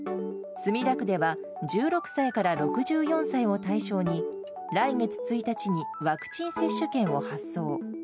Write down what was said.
墨田区では１６歳から６４歳を対象に来月１日にワクチン接種券を発送。